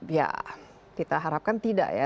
ya kita harapkan tidak ya